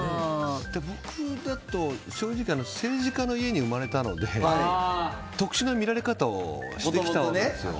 僕だと、正直政治家の家に生まれたので特殊な見られ方をしてきたんですよ。